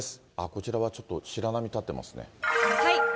こちらはちょっと白波立ってますね。